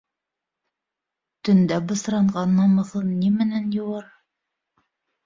Төндә бысранған намыҫын ни менән йыуыр?!